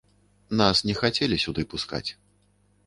Нас не хацелі сюды пускаць.